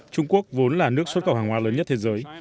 trung quốc vốn là nước xuất khẩu hàng hóa lớn nhất thế giới